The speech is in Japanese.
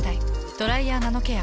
「ドライヤーナノケア」。